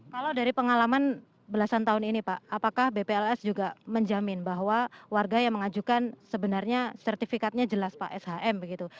kalau dari pengalaman belasan tahun ini pak apakah bpls juga menjamin bahwa warga yang mengajukan sebenarnya sertifikatnya jelas pak shm begitu